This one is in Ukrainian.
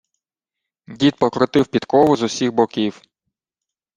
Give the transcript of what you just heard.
Дід покрутив підкову з усіх боків.